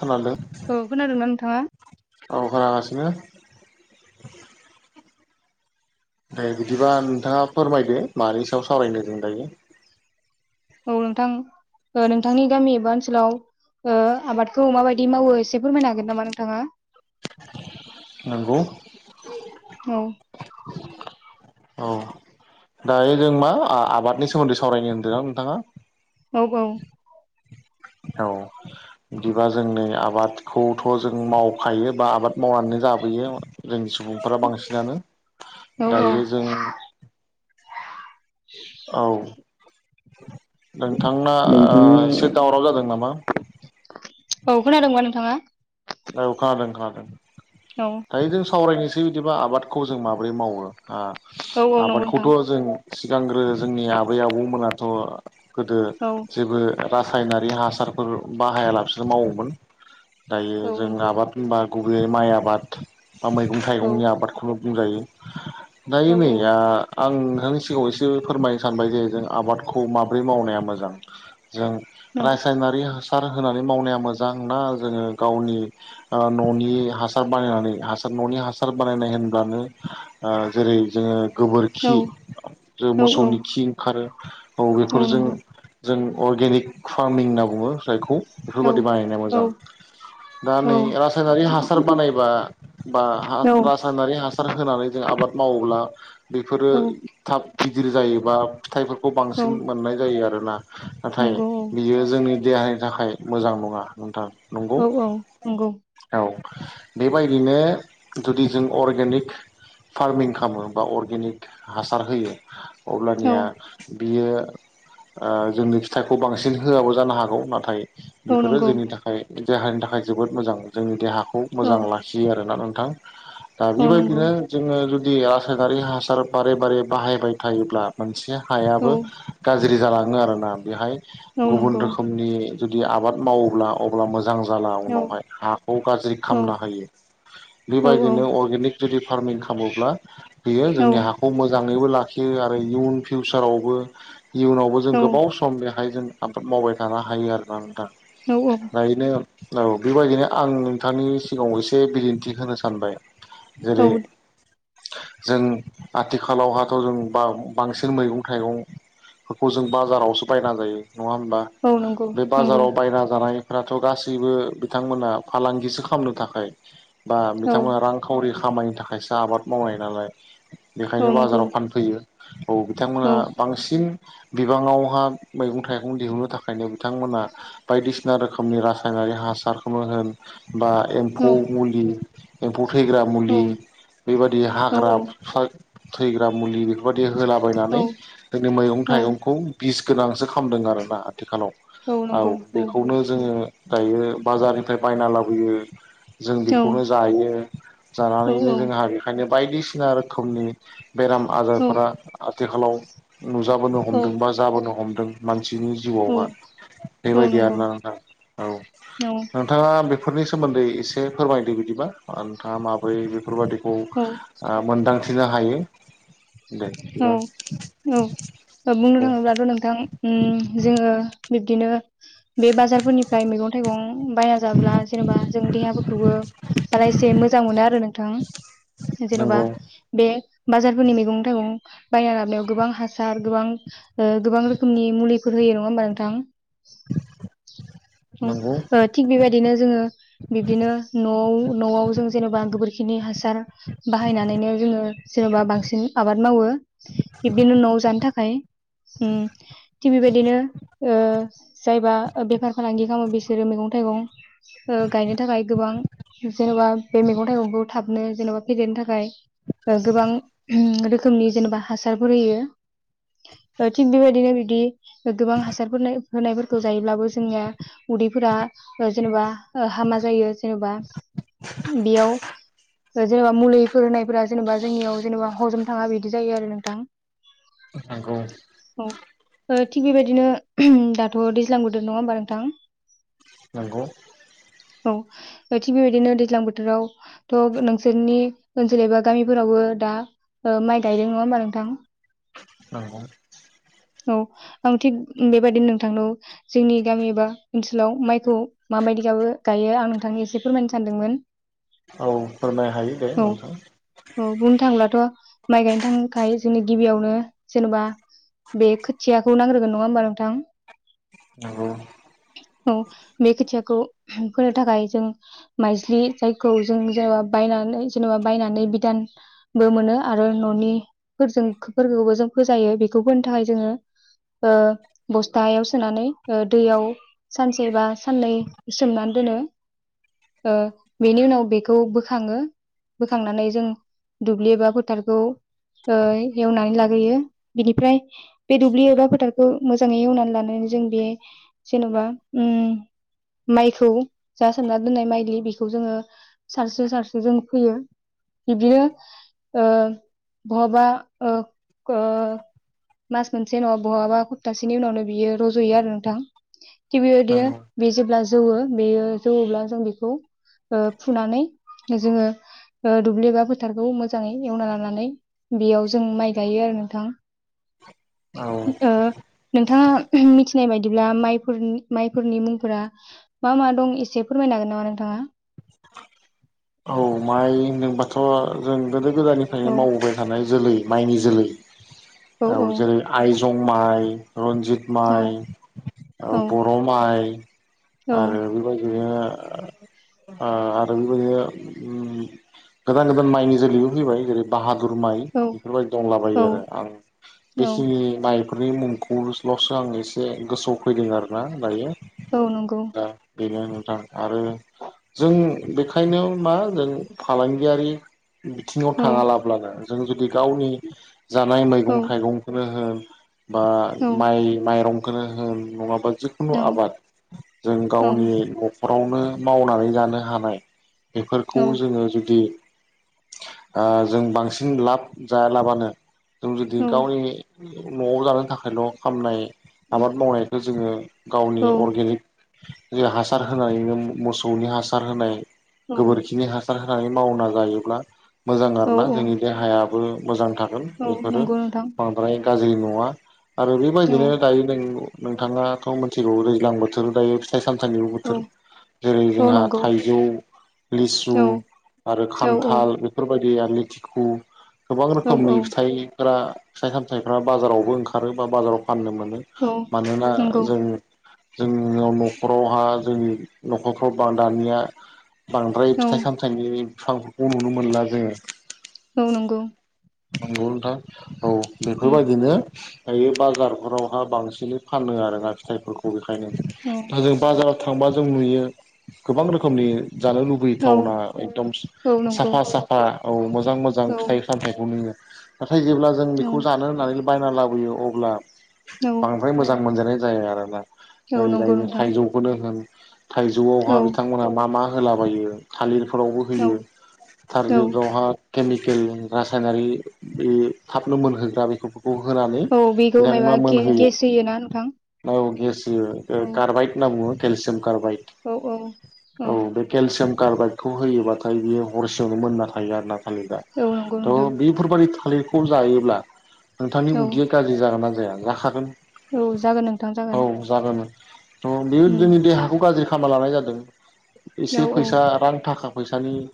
खोनादों? औ खोनादोंना नोंथाङा? औ खोनागासिनो। ओमफ्राय बिदिबा नोंथाङा फोरमायदो मानि सायाव सावरायनो जों दायो? औ नोंथां नोंथांनि गामि एबा ओनसोलाव ओ आबादखौ माबायदि मावो एसे फोरमायनो हागोन नामा नोंथाङा? नंगौ औ। [inaudible] औ दायो जों मा आबादनि सोमोन्दै सावरायनो होनदों न नोंथाङा? औग [unintelligible] औ बिदिबा जों नै आबादखौथ' जों मावफायो बा आबाद मावनानै जाबोयो जोंनि सुबुंफोरा बांसिनानो औ औ दायो जों औ‌। [inaudible] नोंथांना ओ नोंथांना एसे दावराव जादों नामा? औ खोनादोंबा नोंथाङा? औ खोनादों खोनादों। औ दायो जों सावरायनोस थै बिदिबा आबादखौ जों माबोरै मावो। आं औ औ नंगौ नोंथां आबादखौथ' जों सिगांग्रो जोंनि आबै आबौमोना‌ [inaudible] गोदो औ जेबो रासायनारि हासार फोर बाहायालासिनो मावोमोन दायो औ जों नंगौ आबाद होनबा गुबैयै माइ आबाद बा मैगं औ थाइगंनि आबादखौल' बुंजायो। दायो औ औ नै आं नोंथांनि सिगाङाव एसे फोरमायनो सानबाय जे जों आबादखौ माबोरै मावनाया मोजां जों औ रासायनारि हास सार होनानै मावनाया मोजां ना जोङो गावनि न'नि हासार बानायनानै हासार न'नि हासार बानायनाय होनब्लानो ओ जेरै जोङो औ गोबोरखि जे औ नंगौ मोसौनि खि ओंखारो औ बेफोरजों जों अर्गेनिक फार्मिं होनना बुङो। फिथाइखौ बेफोरबादि बानायनाया मोजां दा औ नै रासायनारि हासार बानायबा [inaudible] बा रासायनारि हासार होनानै जों आबाद मावोब्ला बेफोरो थाब गिदिर जायोबा फिथाइफोरखौ बांसिन मोननाय जायो आरो ला नाथाय बियो जोंनि देहानि थाखाय मोजां नङा नोंथां नंगौ औ औ नंगौ औ बेबायदिनो जुदि जों अर्गेनिक फार्मिं खालामो बा अर्गेनिक हासार होयो अब्लानिया बियो जोंनो फिथाइखौ बांसिन होआबो जानो हागौ नाथाय औ नंगौ औ नंगौ औ बेफोरो नंगौ जोंनि थाखाय बिदि हारिनि थाखाय जोबोद मोजां जोंनि देहा खौ मोजां लाखियो आरोना नों ना दा बेबायदिनो जोङो जुदि जुदि आसारारि हासार बारे बारे बाहायबाय थायोब्ला मोनसे औ हायाबो गाज्रि गाज्रि जालाङो आरोना बेहाय औ गुबुन नंगौ रोखोमनि जुदि आबाद मावोब्ला अब्ला मोजां जाब औ उनावहाय हाखौ गार्जि औ खामना हीयी बे औ बादि नो अरगेनिख पारमिं खालामी ब्ला बियी औ जींनि हाखौ बो लाखियो आरो इयुन फिउचारावबो इयुनावबो जों गोबाव सम बेहाय जों आबाद मावबाय थानो हायो आरोना नोंथां। औ गायनो औ बेबायदिनो आं नोंथांनि सिगाङाव एसे बिदिन्थि होनो सानबाय औ जेरै- जों आथिखालावहाथ' जों बाव बांसिन मैगं थाइगंफोरखौ जों बाजारावसो बायना जायो। नङा होमबा? औ नंगौ बे नंगौ बाजाराव बायना जानाय राथ' गास गासैबो बिथांमोनहा फालांगिसो खालामनो थाखाय बा औ बिथांमोना रांखावरि खामानिनि थाखायसो आबाद मावनाय नालाय औ बेखायनो नंगौ बाजाराव फानफैयो। [inaudible] औ औ बिथांमोना बांसिन बिबाङावहा मैगं थाइगं दिहुननो थाखायनो बिथांमोनहा बायदिसिना रोखोमनि रा नारि हासारखौनी होन बा औ एम्फौ मुलि [unintelligible] फैग्रा औ मुलि बेबादि औ हाग्रा बुथारग्रा थैग्रा मुलि बेफोरबायदि औ होलाबायनानै जोंनि मैगं थाइगंखौ बिस गोनांसो खालामदों आरोना आथिखालाव औ बेखौनो जोङो दायो बाजारनिफ्राय बायना लाबोयो। जों बेखौनो जायो। औ औ जानानैनो जोंहा बेखायनो बायदिसिना रोखोमनि बेराम नंगौ आजारफोरा आथिखालाव नुजाबोनो औ हमदों बा जाबोनो हमदों। मानसि बिनि जिउआवा बेबायदि आरोना नोंथां। औ नोंथाङा [unintelligible] बेफोरनि सोमोन्दै एसे फोरमायदो बिदिबा नोंथाङा माबोरै बेफोरबादि खौ औ ओ मोनदां फिनो हायो दे औ बिदिबा औ औ बुंनो नंगौ थाङोब्लाथ' नोंथां उम जोङो बिब्दिनो बे बाजारफोरनिफ्राय मैगं थाइगं बायना जाब्ला जेनेबा जों देहाफोरखौबो बारा एसे मोजां मोनो आरो नों थां जेन'बा नंगौ बे बाजारफोरनि मैगं थाइगं बायना लाबायाव गोबां हासार गोबां ओ गोबां रोखोमनि मुलिफोर होयो, नङा होमबा नोंथां? नंगौ [inaudible] ओ थिग बेबायदिनो जोङो बिब्दिनो न'आव न'आव जों जेनेबा गोबोरखिनि हासार बाहायनानैनो जोङो जेनेबा बांसिन आबाद मावो। बिब्दिनो न'आव जानो थाखाय उम थिग बेबायदिनो ओ ओ जायबा बेफार ओ फालांगि खालामो बिसोरो मैगं थाइगं ओ गायनो थाखाय गोबां जेन'बा बे मैगं थाइगंखो थाबनो जेन'बा फेदेरनो थाखाय ओ गोबां उम रोखोमनि जेन'बा हासारफोर होयो। थिग बेबायदिनो बिदि गोबां हासारफोर होनाय होनायफोरखौ जायोब्लाबो जोंनिया उदैफोरा ओ जेनेबा ओ हामा जायो। जेन'बा, बियाव जोङो मुलिफोर होनायफोरा जेन'बा जोंनियाव जेन'बा हजम थाङा बि जायो आरो नोंथां। नांगौ। औ ओ थिग बेबायदिनो उहुम दाथ' दैज्लां बोदोर नङा होमबा नोंथां? नोंगौ। औ ओ थिग बेबायदिनो दैज्लां बोथोराव थ' नोंसोरनि ओनसोल एबा गामिफोरावबो दा ओ माइ गायदों नङा होमबा नोंथां? नोंगौ औ आं थिग बेबायाददिनो नोंथांनाव जोंनि गामि एबा ओनसोलाव माइखौ माबायदि गावो- गायो आं नोंथांनि एसे फोरमायनो सानदोंमोन। औ फोरमायनो हायो दे औ नोंथां। औ बुंनो [unintelligible] माइ गायनो थांखाय जोंनो गिबियावनो जेनेबा बे खोथियाखौ नांग्रोगोन नङा होमबा नोंथां? नंगौ [inaudible] औ बे खोथिया खौ फोनो थाखाय जों माइज्लि जायखौ जों जेनेबा बायनानै जेनेबा बायनानै बिदानबो मोनो आरो न'निफोरजों फोरखौबो जों फोजायो बेखौ फोनो थाखाय जोङो ओ बस्थायाव सोनानै ओ दैयाव सानसे बा साननै सोमनानै दोनो ओ बेनि उनाव बेखौ बोखाङो बोखांनानै जों दुब्लि एबा फो थारखौ ओ एवनानै लाग्रोयो बिनिफ्राय बे दुब्लि एवग्रा फोथारखौ मोजाङै एवनानै लानानै जों बे जेनबा उम, माइखौ जा सोमना दोननाय माइलि बेखौ जोङो सारसो सारसो जों फोयो। बिब्दिनो ओ बहाबा ओ ओ मास मोनसे नङा बहाबा खप्तासेनि उनावनो बियो रजयो आरो नोंथां। थिग बेबायदिनो नंगौ बे जेब्ला जौओ बेयो जौवोब्ला जों बेखौ ओ फुनानै जोङो ओ दुब्लि बा फोथारखौ मोजाङै एवना लानानै बेयाव जों माइ गायो आरो नोंथां। ओ औ नोंथाङा मिथिनाय बायदिब्ला माइफोरनि माइफोरनि मुंफोरा मा मा दं एसे फोरमायनो हागोन नामा नोंथाङा औ माय होनदोंबाथ जों गोदो औ गोदायनिफ्रायनो मावबोबाय थानाय जोलै माइनि जोलै औ जेरै आयजं- जं माइ रन्जित औ माइ औ बर माइ औ आरो बेबायदिनो आरो बियो ओम गोदान गोदान माइनि जोलैबो फैबाय जेरै बाहा- दुर माइ औ बेफोरबादि औ दंलाबायो आरो आं औ बेखिनि माइ बेफोरनि मुंखौलसो आं एसे गोसोआव फैदों आर ना दायो औ नंगौ दा बेनो नोंथां आरो जों बेखायनो मा जों फालांगियारि बिथिङाव औ थाङा लाब्लानो जों जुदि गावनि जानाय औ मैगं थाइगंखौनो होन [inaudible] बा औ माइ माइरं खोनो होन नङाबा जिखुनु औ आबाद जों औ गावनि नखर नखरावनो मावनानै जानो हानाय बेफोरखौ औ जोङो जुदि ओ जों बांसिन लाब जायालाबानो जों जुदि गावनिनि न'आव जानो थाखायल' खामनाय आबाद मावनायखो जोङो गावनि अर्गेनिक जे हासार होनानैबो मोसौनि हासार होनाय औ गोबोरखिनि हासार हो नानै मावना जायोब्ला मोजां औ आरो ना औ जोंनि देहाया बो मोजां थागोन औ बेफोरो नंगौ नोंथां बांद्राय गाज्रि नङा आरो औ बेबायदिनो दायो दों नोंथाङाथ' मोनथिगौ दैज्लां बोथोर दायो फिथाइ सामथाइनिबो औ बोथोर जेरै औ जोंहा नंगौ थाइजौ औ ओम आरो औ खान्थाल बेफोर बायदि आमलेथिखु गोबां औ रोखोमनि औ फिथाइफ्रा फिथाइ सामथाइफ्रा बाजारावबो ओंखारो बा बाजाराव फाननो मोनो औ मानोना नंगौ जों जोंनियाव न'खरावहा जोंनि न'खरफ्राव बा दानिया बांद्राय औ फिथाइ सामथाइनि फांफोरखौ नुनो मोनला जोङो। औ नंगौ नंगौ नोंथां औ उम बेफोरबायदिनो दायो बाजारफोरावहा बांसिनै फानो आरोना फिथाइफोरखौ हायो औ दा जों बाजार थांबा जों नुयो गोबां रोखोमनि जानो लुबैयो औ टाउना एकदम औ नंगौ साफा साफा औ मो जां मोजां औ फिथाइ सामथाइ नुयो नाथाय जेब्ला जों औ बेखौ जानो होननानै बायना लाबोयो अब्ला औ बांद्राय मोजां मोनजानाय जाया आरोना। औ ओरै नंगौ जाय नोंथां थाइजौखौनो होन थाइजौआवहा औ बिथांमोनहा मा मा होलाबायो थालिर फोरावबो औ होयो औ थालिरावहा केमिकेल रा साइनारि बे थाबनो मोनहोग्रा बेखौ औ बेखौ मायबा गे-गेस होयो ना नोंथां? यो ओ औ कारबाइड होनना बुङो। केेलसियामनि कारबाइद औ औ औ बे केलसियाम कारबाइडखौ होयोबाथाय बियो हरसेयावनो मोनना थायो आरो ना थालिदा औ नंगौ त नोंथां बिफोरबादि थालिरखौ जायोब्ला नोंथांनि औ उदैया गाज्रि जागोन ना जाया? जाखागोन। औ जागोन नोंथां जागोन। अ बियो उम जोंनि देहाखौ गाज्रि खा खामना लानाय जादों। औ एसे औ फैसा रां थाखा फैसानि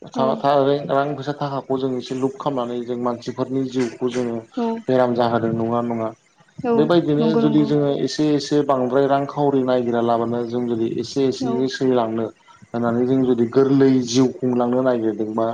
[unintelligible] [unintelligible] औ जों एसे लुप खामनानै जों मानसिफोरनि जिउ खौ जोङो औ बेराम जाहोदों नङा नङा औ बेबायदिनो नंगौ जुदि नंगौ जोङो एसे एसे एसे बांद्राय रांखावरि नायगिरना लाबानो जों जुदि एसे औ एसे [unintelligible] लांनो होननानै जों जुदि गोरलै जिउ खुंलांनो नागिरदोंबा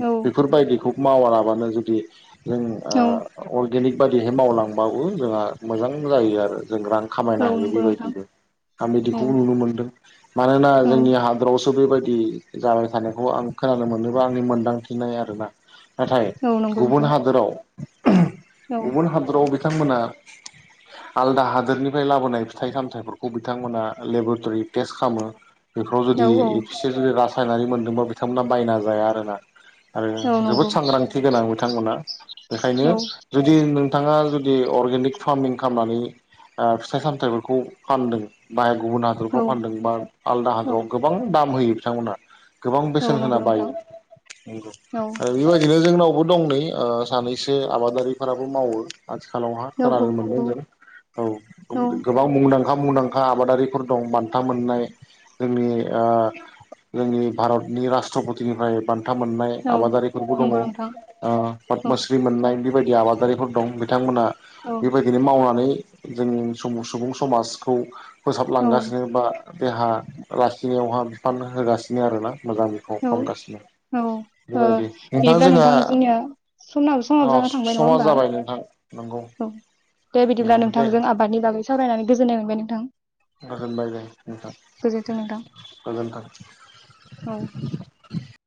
औ बिखौ मावाराबानो जुदि जों औ आ बायदिहैनो मावलांबाबो जोंहा मोजां जायो आरो। जों रां औ खामायनो हायो नंगौ नोंथां बेबायदिनो आं बिदिखौ औ नुनो मोनदों मानोना औ जोंनि हादराव स' बेबायदि जाबाय थानायखौ आं खोनानो मोनोबा आंनि मोनदांथि। गिनाय आरोना। नाथाय औ नंगौ गुबुन नोंथां हादोराव औ गुबुन हादराव बिथांमोना आलदा हादोरनिफ्राय लाबोनाय फिथाइ सामथाइफोरखौ बिथांमोना लेबरेटरि टेस्ट खामो बेफोराव औ जुदि औ [unintelligible] रास खानानै मोनदोंबा बिथांमोना बायना जाया आरोना औ आरो जोबोद नंगौ सांग्रांथि गोनां बिथांमोना बेखायनो औ जुदि नोंथाङा जु जे अर्गेनिक फार्मिं खालामनानै फिथाइ सामथाइफोरखौ फानदों बाय गुबुन औ हादरफ्राव फानदों बा आलदा औ हादराव गोबां दाम होयो बिथांमोनहा गोबां औ बेसेन होना नंगौ बायो नोंथां नंगौ औ आरो बेबादि जोंनावबो दं नै सानैसो आबादारिफोराबो मावो आथिखालावहा औ औ खोनानो मोनदों नंगौ जों औ औ गोबां मुंदां मुंदांखा आबादारिफोर दं बान्था मोननाय जोंनि ओ जोंनि भारतनि रास्ट्रपतिनिफ्राय था मोननाय औ आबादारिफोरबो दङ नंगौ नोंथां औ पडमस्रि मोननाय बेबायदि आबादारिफोर दं बिथांमोना औ बेबायदिनो मावनानै जोंनि सम सुबुं समाजखौ फोसाबलांगासिनो बा देहा लाखिनायावहा बिफान होगासिनो आरोना मोजां बिफाव औ खामगासिनो औ ओ बिदिब्ला नोंथां जोंनिया सनाव अ समाबो जाना थांबाय नङा समा होमबा जाबाय नोंथां नंगौ औ दे बिदिब्ला नंगौ दे नोंथांजों आबादनि बागै सावरायनानै गोजोन नोंगो नोंथां गोजोन बाय दे नोंथां गोजोन्थों नोंथां गोजोनथों औ [inaudible]